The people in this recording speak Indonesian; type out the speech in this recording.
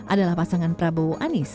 adalah pasangan prabowo anies